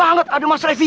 ini tak tau mas apa